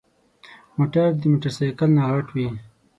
موټر د موټرسايکل نه غټ وي.